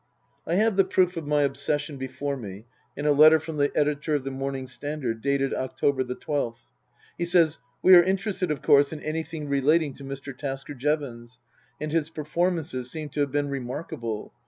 I have the proof of my obsession before me in a letter from the editor of the Morning Standard, dated October the twelfth. He says, " We are interested, of course, in anything relating to Mr. Tasker Jevons, and his per formances seem to have been remarkable.